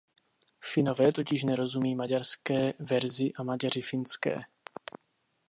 Finové totiž nerozumí maďarské verzi a Maďaři finské.